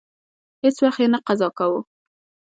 هیڅ وخت یې نه قضا کاوه.